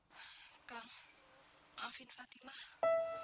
kak maafin fatimah